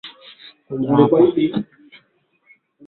Weka kwenye mafuta yanayochemka